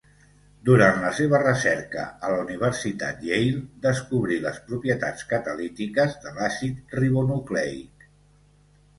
Durant la seva recerca a la Universitat Yale descobrí les propietats catalítiques de l'àcid ribonucleic.